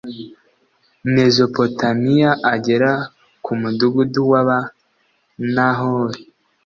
Mezopotamiya agera ku mudugudu w aba Nahori